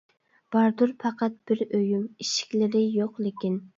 باردۇر پەقەت بىر ئۆيۈم، ئىشىكلىرى يوق لېكىن.